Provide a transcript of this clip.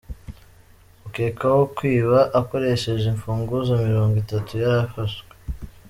Ukekwaho kwiba akoresheje imfunguzo mirongo itatu yarafashwe